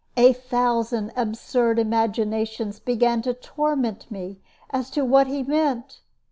A thousand absurd imaginations began to torment me as to what he meant.